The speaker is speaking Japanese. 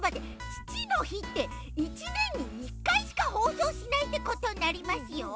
ちちのひって１ねんに１かいしかほうそうしないってことになりますよ。